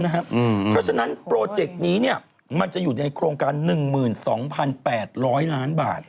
เพราะฉะนั้นโปรเจกต์นี้มันจะอยู่ในโครงการ๑๒๘๐๐ล้านบาท